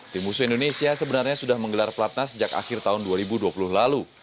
tim musuh indonesia sebenarnya sudah menggelar platna sejak akhir tahun dua ribu dua puluh lalu